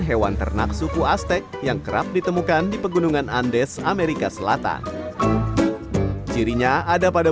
hewan ternak suku aztek yang kerap ditemukan di pegunungan andes amerika selatan cirinya ada pada